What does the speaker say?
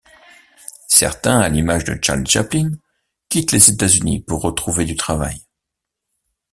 Certains, à l'image de Charlie Chaplin, quittent les États-Unis pour retrouver du travail.